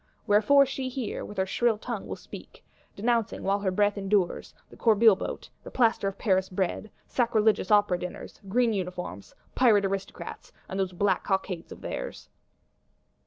Wherefore she here with her shrill tongue will speak; denouncing, while her breath endures, the Corbeil Boat, the Plaster of Paris bread, sacrilegious Opera dinners, green uniforms, Pirate Aristocrats, and those black cockades of theirs!